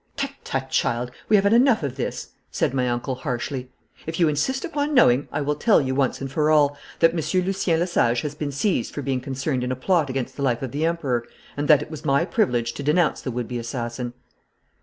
'Tut, tut, child, we have had enough of this!' said my uncle harshly. 'If you insist upon knowing I will tell you once and for all, that Monsieur Lucien Lesage has been seized for being concerned in a plot against the life of the Emperor, and that it was my privilege to denounce the would be assassin.'